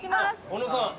小野さん